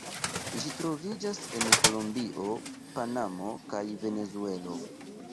Ĝi troviĝas en Kolombio, Panamo kaj Venezuelo.